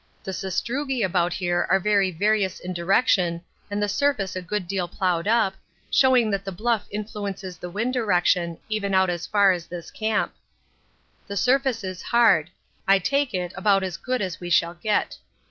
The sastrugi about here are very various in direction and the surface a good deal ploughed up, showing that the Bluff influences the wind direction even out as far as this camp. The surface is hard; I take it about as good as we shall get.